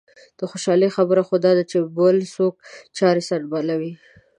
د خوشالۍ خبره خو دا ده چې بل څوک چارې سنبالوي.